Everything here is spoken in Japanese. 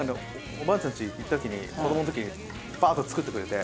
おばあちゃんち行った時に子どもの時にバーッと作ってくれて。